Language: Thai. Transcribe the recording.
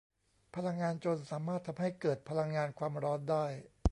พลังงานจลน์สามารถทำให้เกิดพลังงานความร้อนได้